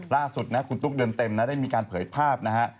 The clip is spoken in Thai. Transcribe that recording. ล่าสุดเนี่ยครูตุ๊กเดินเต็มและในได้มีการเผยภาพ